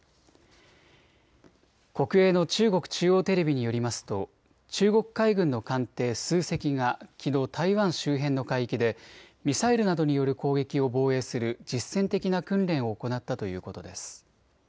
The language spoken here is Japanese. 国営の中国中央テレビによりますと中国海軍の艦艇数隻がきのう台湾周辺の海域でミサイルなどによる攻撃を防衛する実戦的な訓練を行ったということです。